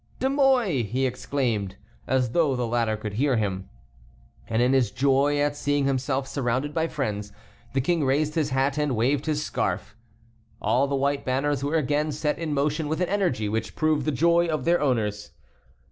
"De Mouy!" he exclaimed, as though the latter could hear him. And in his joy at seeing himself surrounded by friends, the king raised his hat and waved his scarf. All the white banners were again set in motion with an energy which proved the joy of their owners.